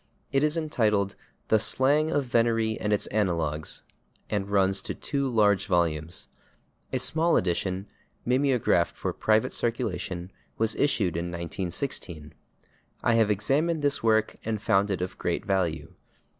It is entitled "The Slang of Venery and Its Analogues," and runs to two large volumes. A small edition, mimeographed for private circulation, was issued in 1916. I have examined this work and found it of great value.